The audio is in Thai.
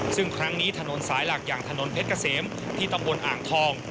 ซึ่งครั้งนี้ถนนสายหลักอย่างถนนเพชรเกษมที่ตำบลอ่างทอง